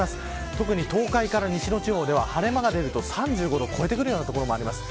特に東海から西の地方では晴れ間が出ると３５度を超えてくる所もあります。